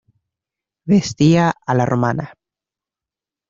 Vestía a la romana.